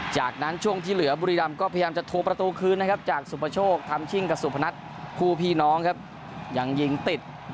จากนั้นช่วงที่เหลือบุรีรำก็พยายามจะโทรประตูคืนนะครับจากสุปโชคทำชิ่งกับสุพนัทคู่พี่น้องครับยังยิงติด